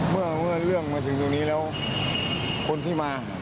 เมื่อเรื่องมาถึงตรงนี้แล้วคนที่มา